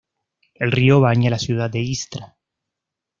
El río baña la ciudad de Istra.